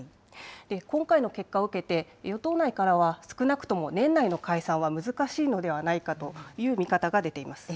今回の結果を受けて、与党内からは少なくとも年内の解散は難しいのではないかという見方が出ています。